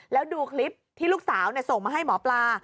แล้วดูคลิปที่ลูกสาวส่งมาให้หมอปลา